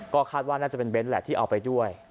ก็คาดว่าน่าจะเป็นเน้นแหละที่เอาไปด้วย